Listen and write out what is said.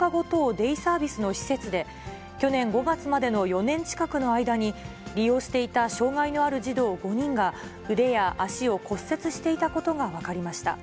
デイサービスの施設で、去年５月までの４年近くの間に、利用していた障がいのある児童５人が、腕や足を骨折していたことが分かりました。